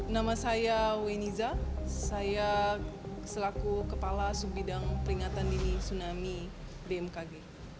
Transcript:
nama saya weniza saya selaku kepala subidang peringatan dini tsunami bmkg